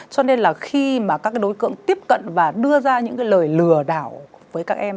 cho nên là khi mà các đối tượng tiếp cận và đưa ra những cái lời lừa đảo với các em